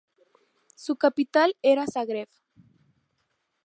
Su capital era Zagreb.